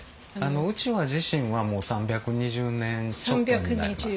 うちわ自身はもう３２０年ちょっとになります。